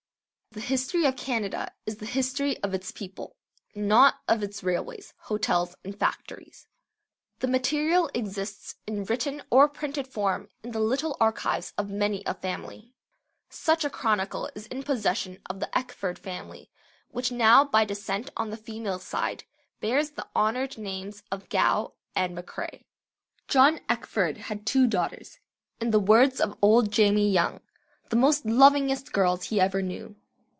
The history of Canada is the history of its people, not of its railways, hotels, and factories. The material exists in written or printed form in the little archives of many a family. Such a chronicle is in possession of the Eckford family which now by descent on the female side bears the honoured names of Gow, and McCrae. John Eckford had two daughters, in the words of old Jamie Young, "the most lovingest girls he ever knew."